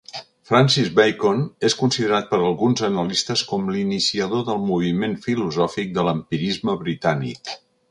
Francis Bacon és considerat per alguns analistes com l'iniciador del moviment filosòfic de l'empirisme britànic.